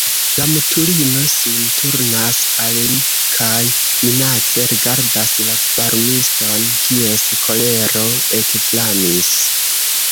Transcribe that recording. La mutulino sin turnas al li kaj minace rigardas la farmiston, kies kolero ekflamis.